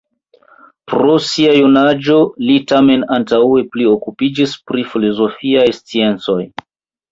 Pro sia junaĝo li tamen antaŭe pli okupiĝis pri filozofiaj sciencoj.